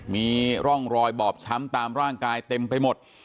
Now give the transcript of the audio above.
มีร่องรอยบอบช้ำตามร่างกายเต็มไปหมด